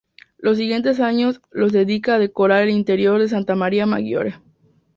Los siguientes años los dedica a decorar el interior de Santa Maria Maggiore.